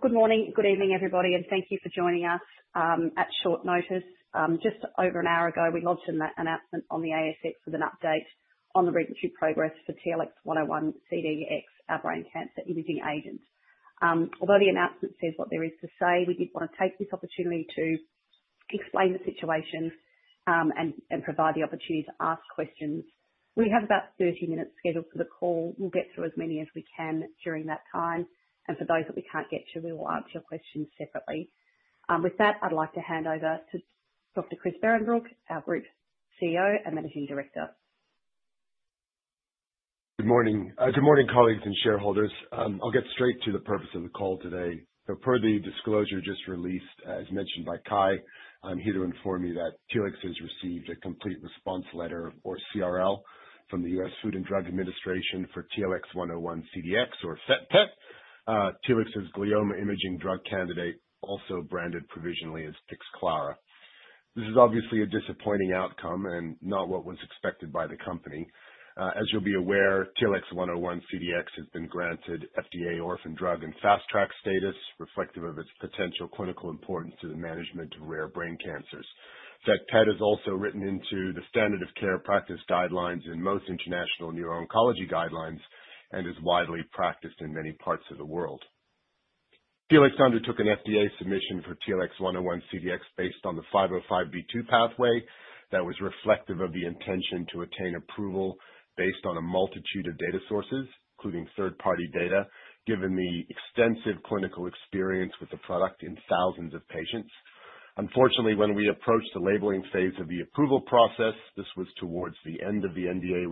Good morning, good evening, everybody, and thank you for joining us at short notice. Just over an hour ago, we launched an announcement on the ASX with an update on the regulatory progress for TLX101-CDx, our brain cancer imaging agent. Although the announcement says what there is to say, we did want to take this opportunity to explain the situation and provide the opportunity to ask questions. We have about 30 minutes scheduled for the call. We'll get through as many as we can during that time, and for those that we can't get to, we will answer your questions separately. With that, I'd like to hand over to Dr. Chris Behrenbruch, our Group CEO and Managing Director. Good morning. Good morning, colleagues and shareholders. I'll get straight to the purpose of the call today. Per the disclosure just released, as mentioned by Ky, I'm here to inform you that Telix has received a Complete Response Letter, or CRL, from the U.S. Food and Drug Administration for TLX101-CDx, or FET PET. Telix's glioma imaging drug candidate, also branded provisionally as Pixclara. This is obviously a disappointing outcome and not what was expected by the company. As you'll be aware, TLX101-CDx has been granted FDA orphan drug and fast-track status, reflective of its potential clinical importance to the management of rare brain cancers. FET PET is also written into the standard of care practice guidelines and most international neuro-oncology guidelines, and is widely practiced in many parts of the world. Telix undertook an FDA submission for TLX101-CDx based on the 505(b)(2) pathway that was reflective of the intention to attain approval based on a multitude of data sources, including third-party data, given the extensive clinical experience with the product in thousands of patients. Unfortunately, when we approached the labeling phase of the approval process—this was towards the end of the NDA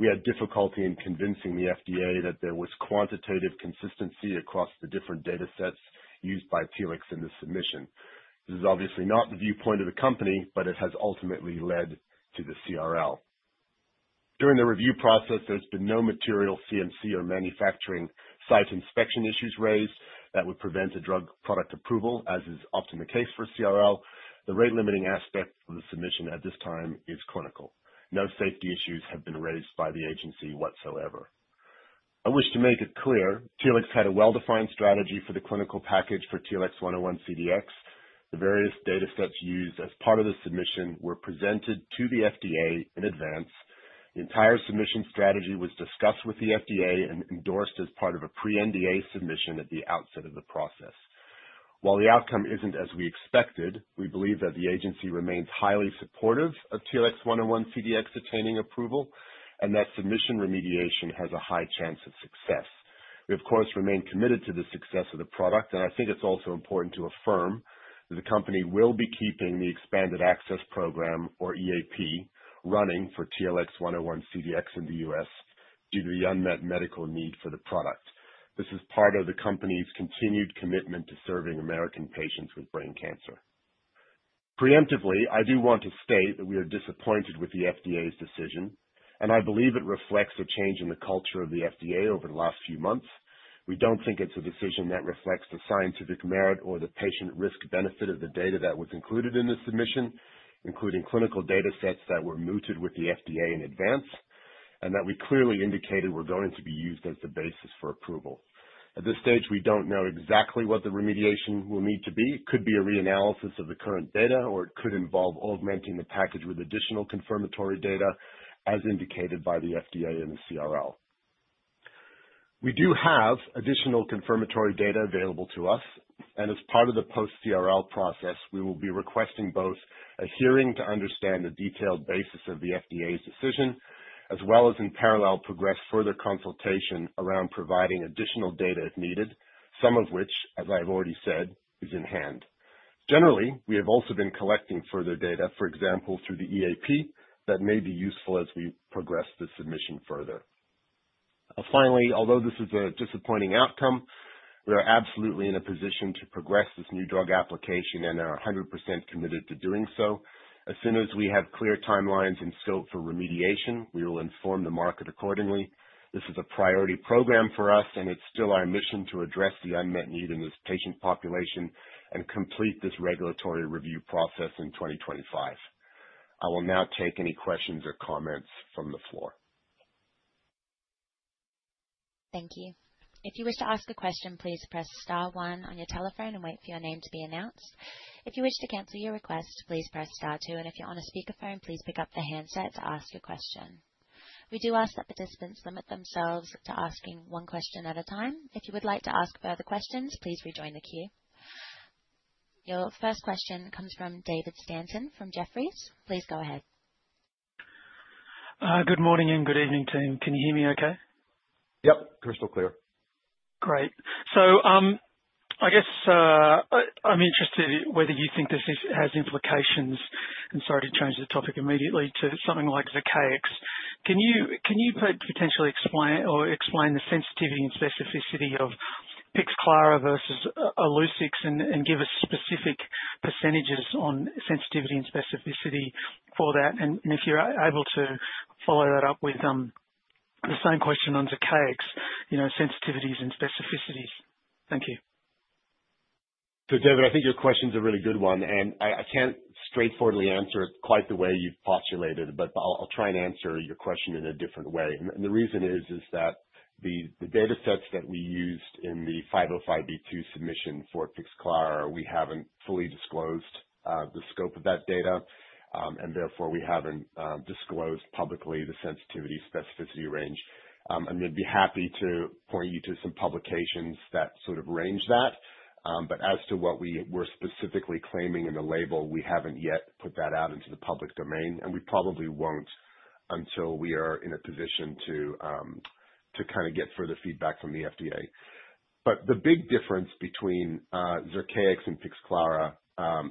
review—we had difficulty in convincing the FDA that there was quantitative consistency across the different data sets used by Telix in the submission. This is obviously not the viewpoint of the company, but it has ultimately led to the CRL. During the review process, there's been no material CMC or manufacturing site inspection issues raised that would prevent a drug product approval, as is often the case for CRL. The rate-limiting aspect of the submission at this time is clinical. No safety issues have been raised by the agency whatsoever. I wish to make it clear: Telix had a well-defined strategy for the clinical package for TLX101-CDx. The various data sets used as part of the submission were presented to the FDA in advance. The entire submission strategy was discussed with the FDA and endorsed as part of a pre-NDA submission at the outset of the process. While the outcome is not as we expected, we believe that the agency remains highly supportive of TLX101-CDx attaining approval and that submission remediation has a high chance of success. We, of course, remain committed to the success of the product, and I think it is also important to affirm that the company will be keeping the Expanded Access Program, or EAP, running for TLX101-CDx in the U.S. due to the unmet medical need for the product. This is part of the company's continued commitment to serving American patients with brain cancer. Preemptively, I do want to state that we are disappointed with the FDA's decision, and I believe it reflects a change in the culture of the FDA over the last few months. We don't think it's a decision that reflects the scientific merit or the patient risk-benefit of the data that was included in the submission, including clinical data sets that were mooted with the FDA in advance, and that we clearly indicated were going to be used as the basis for approval. At this stage, we don't know exactly what the remediation will need to be. It could be a reanalysis of the current data, or it could involve augmenting the package with additional confirmatory data, as indicated by the FDA and the CRL. We do have additional confirmatory data available to us, and as part of the post-CRL process, we will be requesting both a hearing to understand the detailed basis of the FDA's decision, as well as, in parallel, progress further consultation around providing additional data if needed, some of which, as I've already said, is in hand. Generally, we have also been collecting further data, for example, through the EAP, that may be useful as we progress the submission further. Finally, although this is a disappointing outcome, we are absolutely in a position to progress this new drug application and are 100% committed to doing so. As soon as we have clear timelines and scope for remediation, we will inform the market accordingly. This is a priority program for us, and it's still our mission to address the unmet need in this patient population and complete this regulatory review process in 2025. I will now take any questions or comments from the floor. Thank you. If you wish to ask a question, please press star one on your telephone and wait for your name to be announced. If you wish to cancel your request, please press star two, and if you're on a speakerphone, please pick up the handset to ask your question. We do ask that participants limit themselves to asking one question at a time. If you would like to ask further questions, please rejoin the queue. Your first question comes from David Stanton from Jefferies. Please go ahead. Good morning and good evening, team. Can you hear me okay? Yep, crystal clear. Great. I guess, I'm interested whether you think this has implications—I'm sorry to change the topic immediately—to something like Zircaix. Can you potentially explain or explain the sensitivity and specificity of Pixclara versus Illuccix and give us specific percentages on sensitivity and specificity for that? And if you're able to follow that up with the same question on Zircaix, you know, sensitivities and specificities. Thank you. David, I think your question's a really good one, and I can't straightforwardly answer it quite the way you've postulated, but I'll try and answer your question in a different way. The reason is, is that the data sets that we used in the 505(b)(2) submission for Pixclara, we haven't fully disclosed the scope of that data, and therefore we haven't disclosed publicly the sensitivity specificity range. I'm gonna be happy to point you to some publications that sort of range that, but as to what we were specifically claiming in the label, we haven't yet put that out into the public domain, and we probably won't until we are in a position to kinda get further feedback from the FDA. The big difference between Zircaix and Pixclara,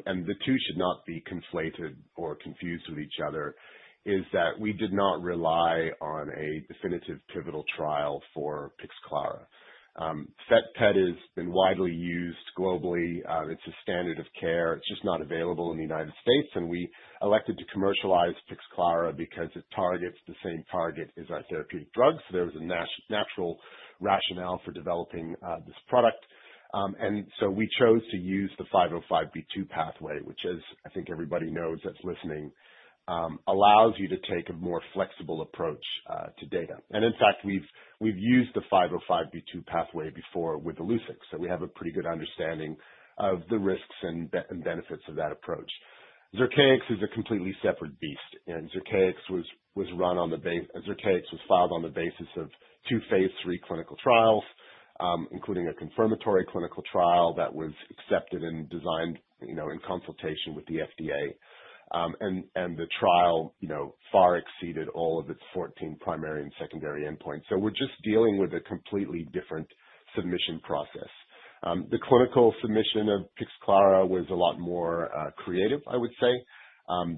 and the two should not be conflated or confused with each other, is that we did not rely on a definitive pivotal trial for Pixclara. FET PET has been widely used globally. It's a standard of care. It's just not available in the United States, and we elected to commercialize Pixclara because it targets the same target as our therapeutic drug. There was a natural rationale for developing this product, and we chose to use the 505(b)(2) pathway, which, as I think everybody knows that's listening, allows you to take a more flexible approach to data. In fact, we've used the 505(b)(2) pathway before with Illuccix. We have a pretty good understanding of the risks and benefits of that approach. Zircaix is a completely separate beast, and Zircaix was filed on the basis of two phase three clinical trials, including a confirmatory clinical trial that was accepted and designed, you know, in consultation with the FDA. The trial, you know, far exceeded all of its 14 primary and secondary endpoints. We're just dealing with a completely different submission process. The clinical submission of Pixclara was a lot more creative, I would say.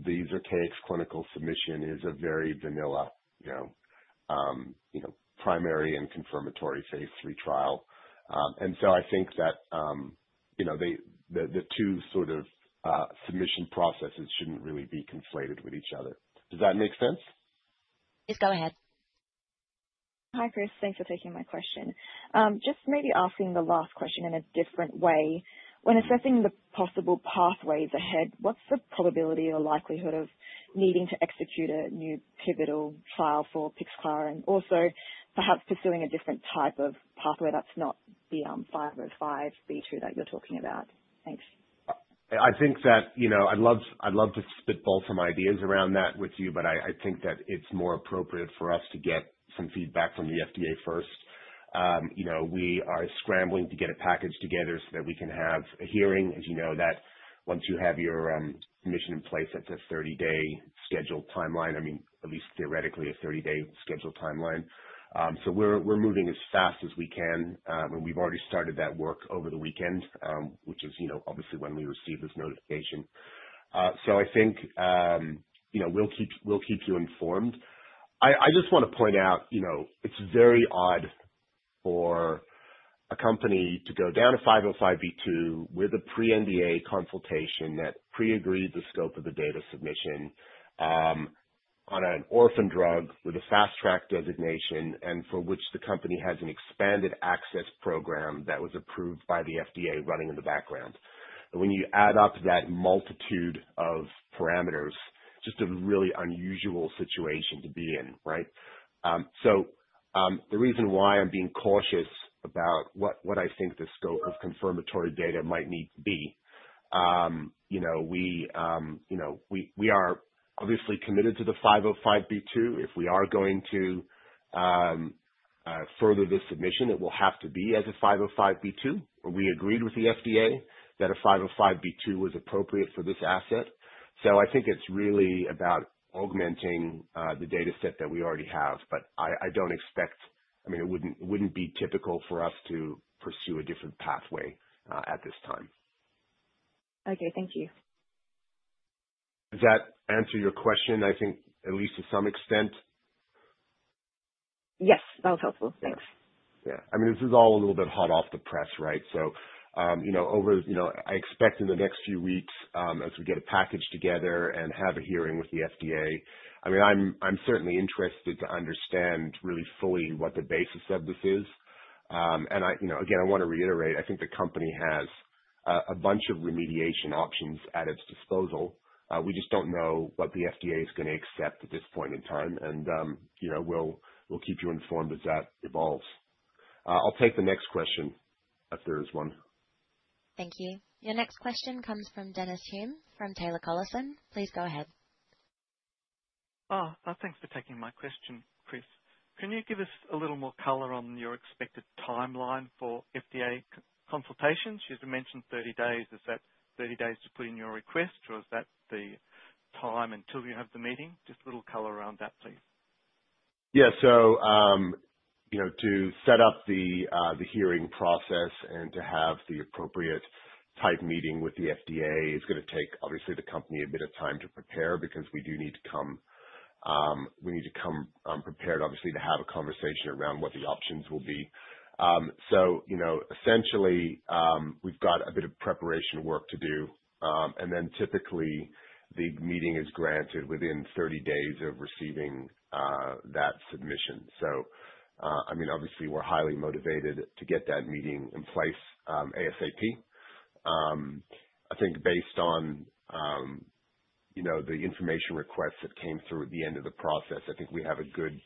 The Zircaix clinical submission is a very vanilla, you know, primary and confirmatory phase three trial. I think that, you know, the two sort of submission processes shouldn't really be conflated with each other. Does that make sense? Yes, go ahead. Hi, Chris. Thanks for taking my question. Just maybe asking the last question in a different way. When assessing the possible pathways ahead, what's the probability or likelihood of needing to execute a new pivotal trial for Pixclara and also perhaps pursuing a different type of pathway that's not the 505(b)(2) that you're talking about? Thanks. I think that, you know, I'd love, I'd love to spitball some ideas around that with you, but I think that it's more appropriate for us to get some feedback from the FDA first. You know, we are scrambling to get a package together so that we can have a hearing, as you know, that once you have your submission in place, that's a 30-day scheduled timeline. I mean, at least theoretically, a 30-day scheduled timeline. We are moving as fast as we can. We have already started that work over the weekend, which is, you know, obviously when we received this notification. I think, you know, we'll keep, we'll keep you informed. I just wanna point out, you know, it's very odd for a company to go down a 505(b)(2) with a pre-NDA consultation that pre-agreed the scope of the data submission, on an orphan drug with a fast-track designation and for which the company has an expanded access program that was approved by the FDA running in the background. When you add up that multitude of parameters, just a really unusual situation to be in, right? The reason why I'm being cautious about what, what I think the scope of confirmatory data might need to be, you know, we, you know, we are obviously committed to the 505(b)(2). If we are going to further this submission, it will have to be as a 505(b)(2), or we agreed with the FDA that a 505(b)(2) was appropriate for this asset. I think it's really about augmenting the data set that we already have, but I don't expect, I mean, it wouldn't be typical for us to pursue a different pathway at this time. Okay. Thank you. Does that answer your question, I think, at least to some extent. Yes, that was helpful. Thanks. Okay. Yeah. I mean, this is all a little bit hot off the press, right? You know, over, I expect in the next few weeks, as we get a package together and have a hearing with the FDA, I mean, I'm certainly interested to understand really fully what the basis of this is. I, you know, again, I want to reiterate, I think the company has a bunch of remediation options at its disposal. We just don't know what the FDA is going to accept at this point in time, and, you know, we'll keep you informed as that evolves. I'll take the next question if there is one. Thank you. Your next question comes from Dennis Hulme from Taylor Collison. Please go ahead. Oh, thanks for taking my question, Chris. Can you give us a little more color on your expected timeline for FDA consultations? You mentioned 30 days. Is that 30 days to put in your request, or is that the time until you have the meeting? Just a little color around that, please. Yeah. So, you know, to set up the hearing process and to have the appropriate type meeting with the FDA is gonna take, obviously, the company a bit of time to prepare because we do need to come, we need to come prepared, obviously, to have a conversation around what the options will be. So, you know, essentially, we've got a bit of preparation work to do, and then typically the meeting is granted within 30 days of receiving that submission. I mean, obviously, we're highly motivated to get that meeting in place, ASAP. I think based on, you know, the information requests that came through at the end of the process, I think we have a good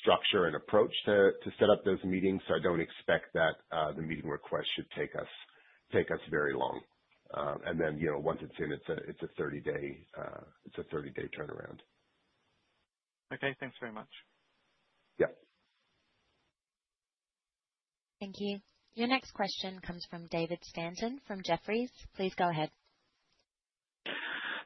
structure and approach to set up those meetings. I don't expect that the meeting request should take us, take us very long. and then, you know, once it's in, it's a, it's a 30-day, it's a 30-day turnaround. Okay. Thanks very much. Yep. Thank you. Your next question comes from David Stanton from Jefferies. Please go ahead.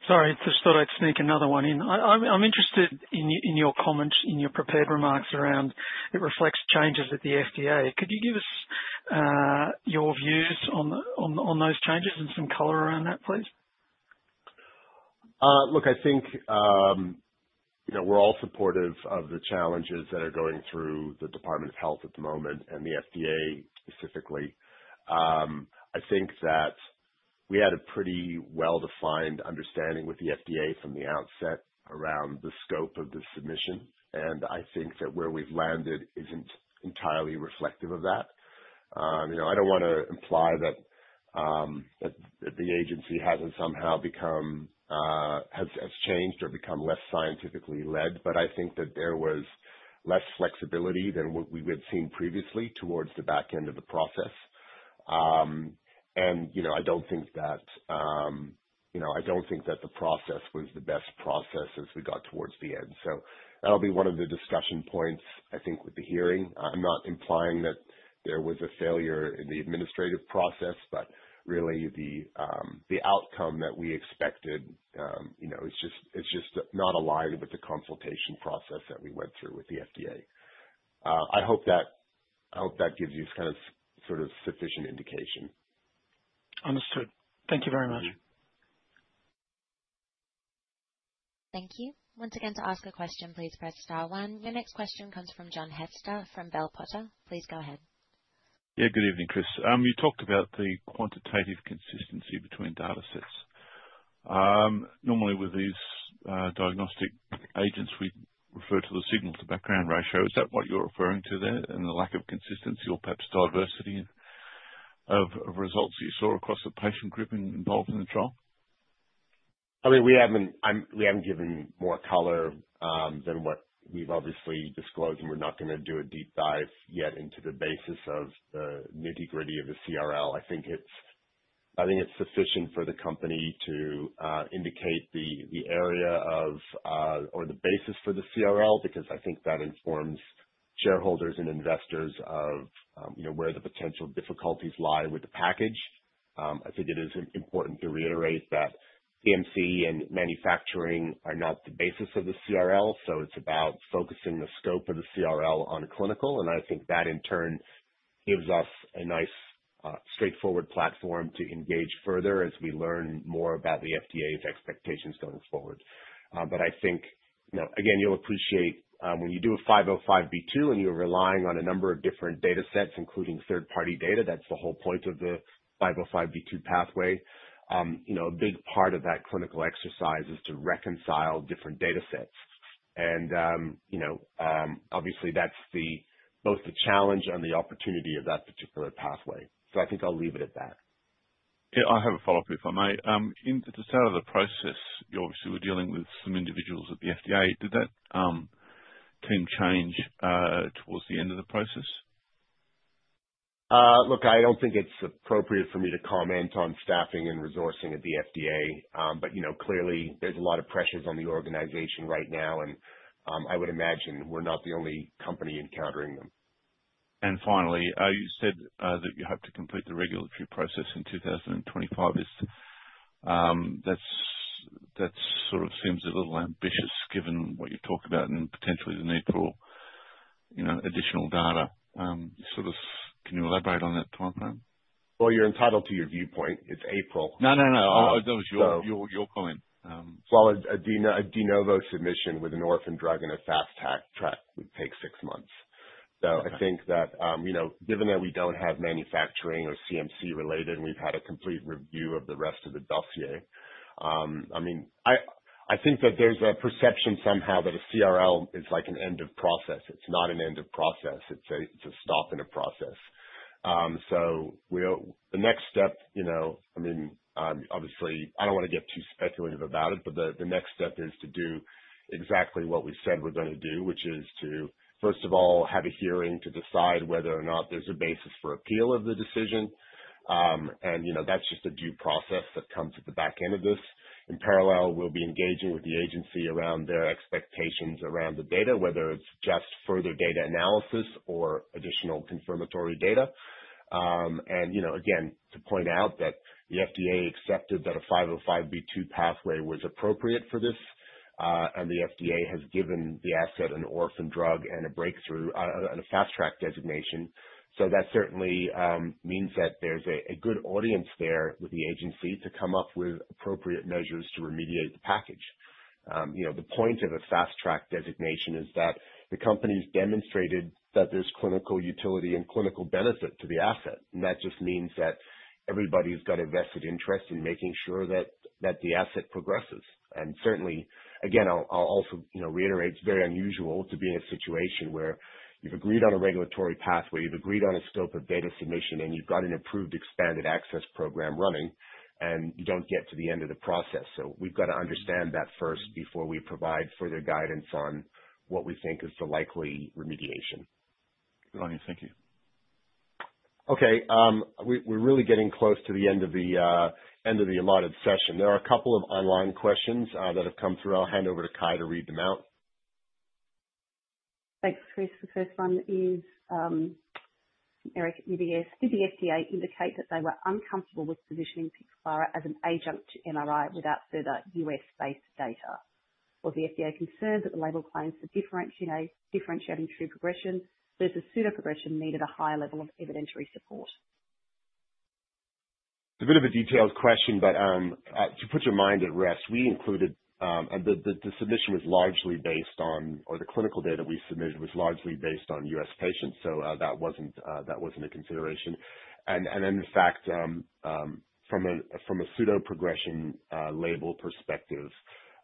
Sorry, I just thought I'd sneak another one in. I'm interested in your comments, in your prepared remarks around it reflects changes at the FDA. Could you give us your views on those changes and some color around that, please? Look, I think, you know, we're all supportive of the challenges that are going through the Department of Health at the moment and the FDA specifically. I think that we had a pretty well-defined understanding with the FDA from the outset around the scope of the submission, and I think that where we've landed isn't entirely reflective of that. You know, I don't wanna imply that the agency hasn't somehow changed or become less scientifically led, but I think that there was less flexibility than what we would've seen previously towards the back end of the process. You know, I don't think that the process was the best process as we got towards the end. That'll be one of the discussion points, I think, with the hearing. I'm not implying that there was a failure in the administrative process, but really the outcome that we expected, you know, is just not aligned with the consultation process that we went through with the FDA. I hope that, I hope that gives you kind of sort of sufficient indication. Understood. Thank you very much. Thank you. Once again, to ask a question, please press star one. Your next question comes from John Hester from Bell Potter. Please go ahead. Yeah, good evening, Chris. You talked about the quantitative consistency between data sets. Normally with these diagnostic agents, we refer to the signal-to-background ratio. Is that what you're referring to there in the lack of consistency or perhaps diversity of results that you saw across the patient group involved in the trial? I mean, we haven't, I mean, we haven't given more color than what we've obviously disclosed, and we're not gonna do a deep dive yet into the basis of the nitty-gritty of the CRL. I think it's, I think it's sufficient for the company to indicate the area of, or the basis for the CRL because I think that informs shareholders and investors of, you know, where the potential difficulties lie with the package. I think it is important to reiterate that CMC and manufacturing are not the basis of the CRL, so it's about focusing the scope of the CRL on clinical, and I think that in turn gives us a nice, straightforward platform to engage further as we learn more about the FDA's expectations going forward. but I think, you know, again, you'll appreciate, when you do a 505(b)(2) and you're relying on a number of different data sets, including third-party data, that's the whole point of the 505(b)(2) pathway. you know, a big part of that clinical exercise is to reconcile different data sets. You know, obviously, that's both the challenge and the opportunity of that particular pathway. I think I'll leave it at that. Yeah, I have a follow-up, if I may. In at the start of the process, you obviously were dealing with some individuals at the FDA. Did that team change towards the end of the process? Look, I don't think it's appropriate for me to comment on staffing and resourcing at the FDA, but, you know, clearly, there's a lot of pressures on the organization right now, and I would imagine we're not the only company encountering them. You said that you hope to complete the regulatory process in 2025. That sort of seems a little ambitious given what you've talked about and potentially the need for, you know, additional data. Sort of can you elaborate on that timeframe? You're entitled to your viewpoint. It's April. No, no, no. So. Oh, that was your comment. A De Novo submission with an orphan drug in a fast-track track would take six months. I think that, you know, given that we do not have manufacturing or CMC related, and we have had a complete review of the rest of the dossier, I mean, I think that there is a perception somehow that a CRL is like an end-of-process. It is not an end-of-process. It is a stop in a process. The next step, you know, I mean, obviously, I do not want to get too speculative about it, but the next step is to do exactly what we said we are going to do, which is to, first of all, have a hearing to decide whether or not there is a basis for appeal of the decision. You know, that is just a due process that comes at the back end of this. In parallel, we'll be engaging with the agency around their expectations around the data, whether it's just further data analysis or additional confirmatory data. And, you know, again, to point out that the FDA accepted that a 505(b)(2) pathway was appropriate for this, and the FDA has given the asset an orphan drug and a breakthrough, and a fast-track designation. That certainly means that there's a good audience there with the agency to come up with appropriate measures to remediate the package. You know, the point of a fast-track designation is that the company has demonstrated that there's clinical utility and clinical benefit to the asset, and that just means that everybody's got a vested interest in making sure that the asset progresses. Certainly, again, I'll also, you know, reiterate, it's very unusual to be in a situation where you've agreed on a regulatory pathway, you've agreed on a scope of data submission, and you've got an approved expanded access program running, and you don't get to the end of the process. We've gotta understand that first before we provide further guidance on what we think is the likely remediation. Good on you. Thank you. Okay. We're really getting close to the end of the allotted session. There are a couple of online questions that have come through. I'll hand over to Ky to read them out. Thanks, Chris. The first one is, Eric Ebs. Did the FDA indicate that they were uncomfortable with positioning Pixclara as an adjunct to MRI without further U.S.-based data? Was the FDA concerned that the label claims for differentiating, differentiating true progression versus pseudo-progression needed a higher level of evidentiary support? It's a bit of a detailed question, but to put your mind at rest, we included, and the submission was largely based on, or the clinical data we submitted was largely based on U.S. patients. That wasn't a consideration. In fact, from a pseudo-progression label perspective,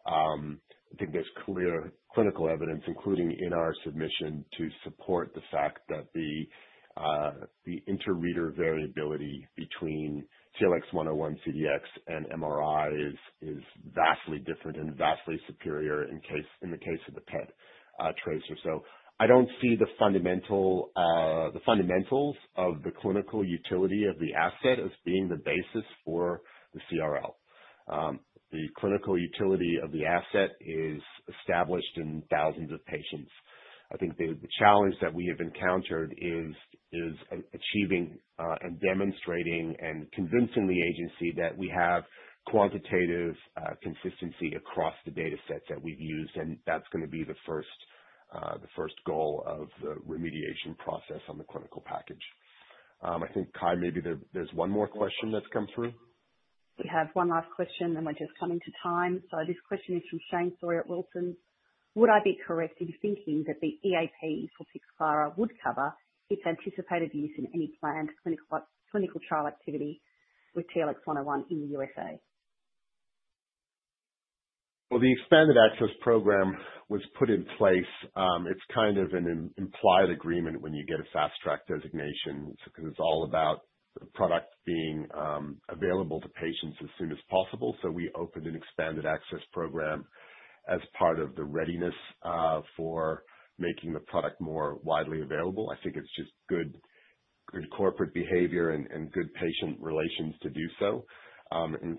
I think there's clear clinical evidence, including in our submission, to support the fact that the inter-reader variability between TLX101-CDx and MRI is vastly different and vastly superior in the case of the PET tracer. I don't see the fundamentals of the clinical utility of the asset as being the basis for the CRL. The clinical utility of the asset is established in thousands of patients. I think the challenge that we have encountered is achieving, and demonstrating and convincing the agency that we have quantitative, consistency across the data sets that we've used, and that's gonna be the first, the first goal of the remediation process on the clinical package. I think, Ky, maybe there, there's one more question that's come through. We have one last question, and we're just coming to time. This question is from Shane Storey at Wilsons. Would I be correct in thinking that the EAP for Pixclara would cover its anticipated use in any planned clinical, clinical trial activity with TLX101 in the U.S.A.? The expanded access program was put in place. It's kind of an implied agreement when you get a fast-track designation because it's all about the product being available to patients as soon as possible. We opened an expanded access program as part of the readiness for making the product more widely available. I think it's just good, good corporate behavior and good patient relations to do so.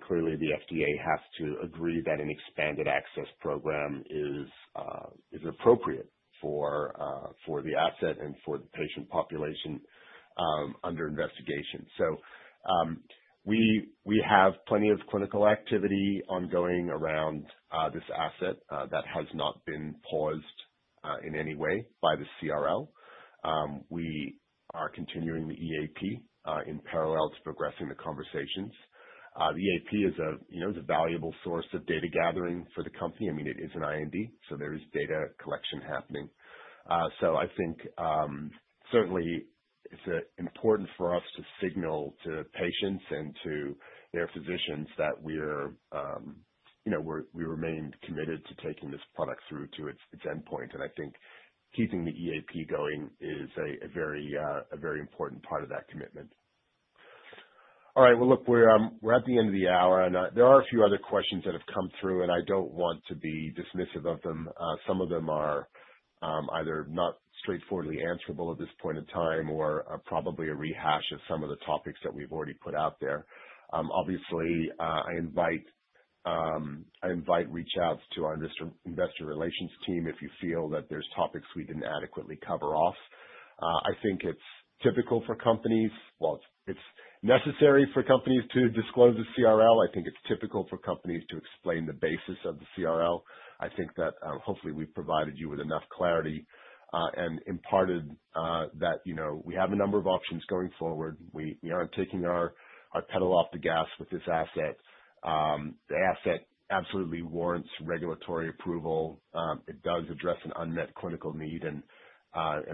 Clearly, the FDA has to agree that an expanded access program is appropriate for the asset and for the patient population under investigation. We have plenty of clinical activity ongoing around this asset that has not been paused in any way by the CRL. We are continuing the EAP in parallel to progressing the conversations. The EAP is a, you know, is a valuable source of data gathering for the company. I mean, it is an IND, so there is data collection happening. I think, certainly, it's important for us to signal to patients and to their physicians that we're, you know, we remain committed to taking this product through to its endpoint. I think keeping the EAP going is a very, a very important part of that commitment. All right. Look, we're at the end of the hour, and there are a few other questions that have come through, and I don't want to be dismissive of them. Some of them are either not straightforwardly answerable at this point in time or probably a rehash of some of the topics that we've already put out there. Obviously, I invite reach-outs to our investor relations team if you feel that there's topics we didn't adequately cover off. I think it's typical for companies, well, it's necessary for companies to disclose the CRL. I think it's typical for companies to explain the basis of the CRL. I think that, hopefully, we've provided you with enough clarity, and imparted that, you know, we have a number of options going forward. We aren't taking our pedal off the gas with this asset. The asset absolutely warrants regulatory approval. It does address an unmet clinical need, and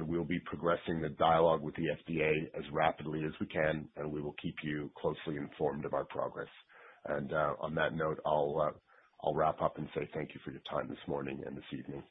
we'll be progressing the dialogue with the FDA as rapidly as we can, and we will keep you closely informed of our progress. On that note, I'll wrap up and say thank you for your time this morning and this evening.